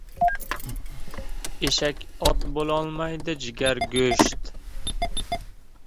• Eshak ot bo‘lolmaydi, jigar ― go‘sht.